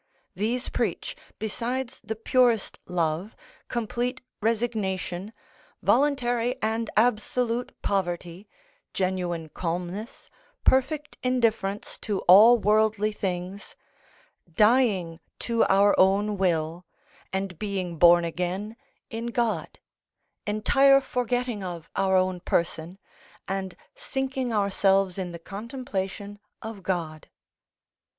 These preach, besides the purest love, complete resignation, voluntary and absolute poverty, genuine calmness, perfect indifference to all worldly things, dying to our own will and being born again in God, entire forgetting of our own person, and sinking ourselves in the contemplation of God.